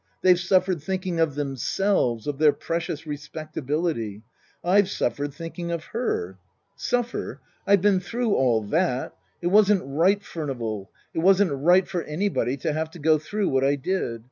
They've Book I : My Book 113 suffered thinking of themselves of their precious respectability. I've suffered thinking of her. " Suffer ? I've been through all that. It wasn't right, Furnival, it wasn't right for anybody to have to go through what I did.